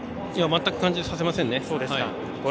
全く感じさせませんね。